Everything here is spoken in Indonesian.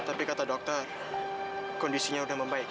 tapi kata dokter kondisinya sudah membaik